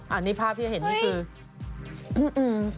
อันนี้ภาพที่เฮ็ดนี่คือ